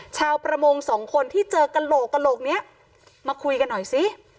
ชาวประมงสองคนที่เจอกระโหลกกระโหลกนี้มาคุยกันหน่อยสิ